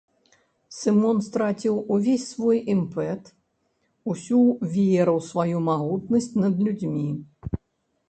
Сымон страціў увесь свой імпэт, усю веру ў сваю магутнасць над людзьмі.